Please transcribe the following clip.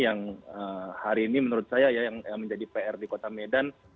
yang hari ini menurut saya yang menjadi pr di kota medan